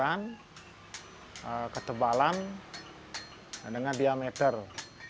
kalau semakin tebal besinya itu itu akan menjadi gamelan selonding